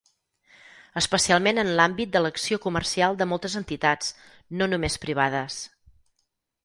Especialment en l'àmbit de l'acció comercial de moltes entitats, no només privades.